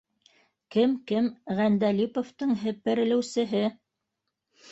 Кем, кем, Ғәндәлиповтың һеперелеүсеһе